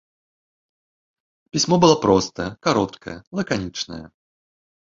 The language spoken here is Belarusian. Пісьмо было простае, кароткае, лаканічнае.